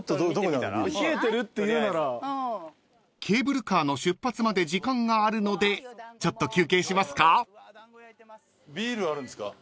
［ケーブルカーの出発まで時間があるのでちょっと休憩しますか？］